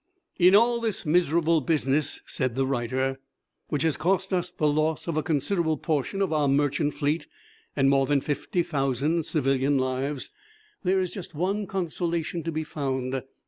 "In all this miserable business," said the writer, "which has cost us the loss of a considerable portion of our merchant fleet and more than fifty thousand civilian lives, there is just one consolation to be found.